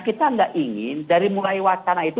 kita tidak ingin dari mulai wacana itu